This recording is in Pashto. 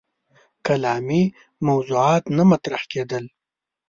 کلامي موضوعات نه مطرح کېدل.